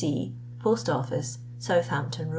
B. C., Post Office, Southampton Row.